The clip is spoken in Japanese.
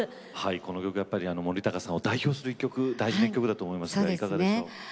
この曲やっぱり森高さんを代表する一曲大事な一曲だと思いますがいかがでしょう？